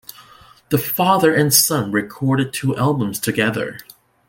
The father and son recorded two albums together.